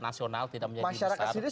nasional tidak menjadi besar